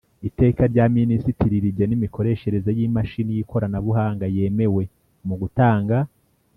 Iteka rya Minisitiri rigena imikoreshereze y imashini y ikoranabuhanga yemewe mu gutanga